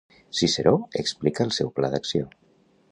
Ciceró explica el seu pla d'acció.